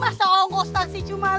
masa ongkos taksi cuma lima